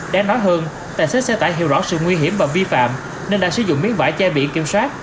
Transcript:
đáng nói hơn tài xế xe tải hiểu rõ sự nguy hiểm và vi phạm nên đã sử dụng miếng vải che biển kiểm soát